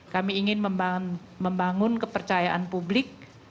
kami ingin membangun kepercayaan publik